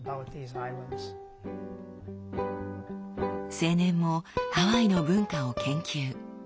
青年もハワイの文化を研究。